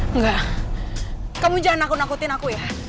enggak kamu jangan nakut nakutin aku ya